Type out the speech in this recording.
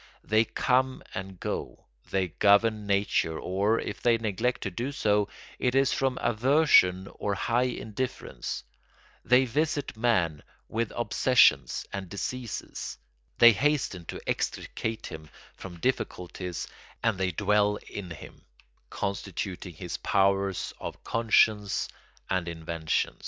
They come and go; they govern nature or, if they neglect to do so, it is from aversion or high indifference; they visit man with obsessions and diseases; they hasten to extricate him from difficulties; and they dwell in him, constituting his powers of conscience and invention.